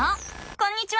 こんにちは！